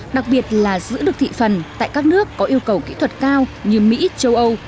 đặc biệt là giữ được thị phần tại các nước có yêu cầu kỹ thuật cao như mỹ châu âu